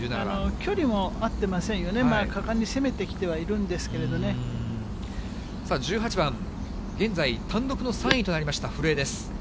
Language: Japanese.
距離も合ってませんよね、果敢に攻めてきてはいるんですけど１８番、現在、単独の３位となりました、古江です。